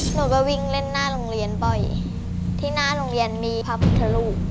หนูก็วิ่งเล่นหน้าโรงเรียนบ่อยที่หน้าโรงเรียนมีพระพุทธรูป